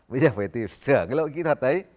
bây giờ phải sửa cái lỗi kỹ thuật đấy